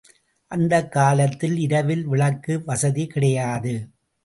அந்தக் காலத்தில் இரவில் விளக்கு வசதி கிடையாது.